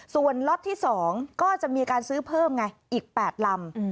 ส่วนล็อตที่๒ก็จะมีการซื้อเพิ่มไงอีก๘ลำ